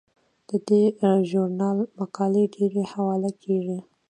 د دې ژورنال مقالې ډیرې حواله کیږي.